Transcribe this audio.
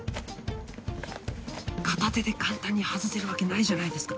片手で簡単に外せるわけないじゃないですか。